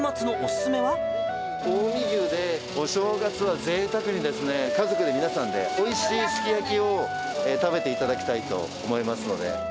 近江牛で、お正月はぜいたくにですね、家族で、皆さんでおいしいすき焼きを食べていただきたいと思いますので。